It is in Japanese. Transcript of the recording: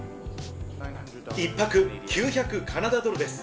１泊９００カナダドルです。